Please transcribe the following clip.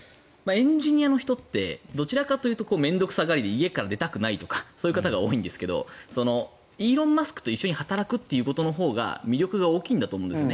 エンジニアの人ってどちらかというと面倒臭がりで家から出たくないとかそういう方が多いんですがイーロン・マスクと一緒に働くということの魅力が大きいんだと思うんです。